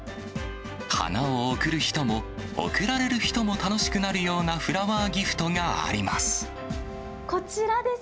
花を贈る人も、贈られる人も楽しくなるようなフラワーギフトがあります。